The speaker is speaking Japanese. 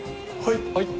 はい。